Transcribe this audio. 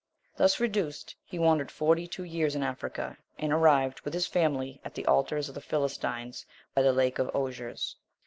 Thus reduced, he wandered forty two years in Africa, and arrived, with his family, at the altars of the Philistines, by the Lake of Osiers.